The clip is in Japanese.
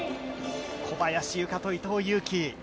小林諭果と伊藤有希。